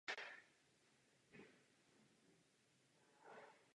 Založením divadla byl pověřen ředitel Východočeské divadelní pobočky Bedřich Jeřábek.